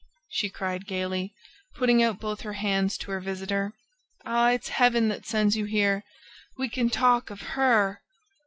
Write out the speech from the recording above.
she cried gaily, putting out both her hands to her visitor. "Ah, it's Heaven that sends you here! ... We can talk of HER."